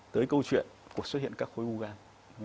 tới câu chuyện của xuất hiện các khối gu gan